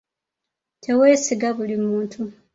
Teweesiga buli muntu.